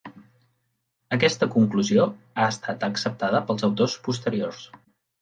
Aquesta conclusió ha estat acceptada pels autors posteriors.